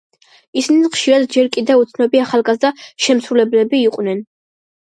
ისინი ხშირად ჯერ კიდევ უცნობი, ახალგაზრდა შემსრულებლები იყვნენ.